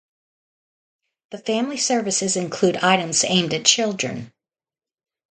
The family services include items aimed at children.